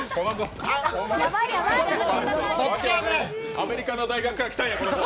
アメリカの大学から来たんや、この子。